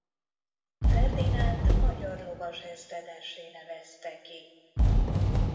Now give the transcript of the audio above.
Ferdinánd magyar lovas ezredessé nevezte ki.